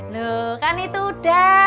loh kan itu udah